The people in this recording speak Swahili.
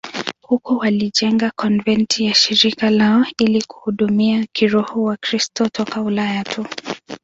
Huko walijenga konventi ya shirika lao ili kuhudumia kiroho Wakristo toka Ulaya tu.